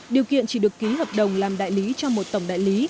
điều kiện chỉ được ký hợp đồng làm đại lý cho một tổng đại lý